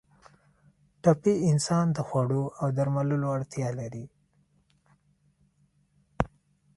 ټپي انسان د خوړو او درملو اړتیا لري.